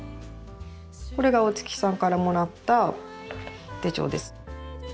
これが大月さんからもらった手帳です。